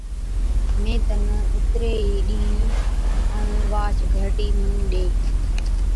مين تنُون اُتري ئِي ڏِيهِين ائُون واهچ گھَرٽِي مُنُون ڏي۔